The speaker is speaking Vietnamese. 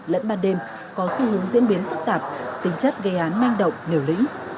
lẫn ban đêm có xu hướng diễn biến phức tạp tính chất gây án manh động liều lĩnh